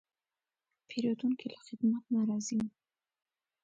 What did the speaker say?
پیرودونکی له خدمت نه راضي و.